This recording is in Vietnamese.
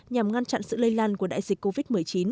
nhằm ngăn chặn sự lây lan của đại dịch covid một mươi chín